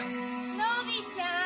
のびちゃん。